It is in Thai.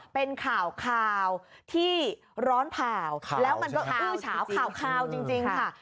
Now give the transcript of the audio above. เป็นข่าวข่าวที่ร้อนผ่าแล้วมันก็อื้อเฉาข่าวจริงค่ะ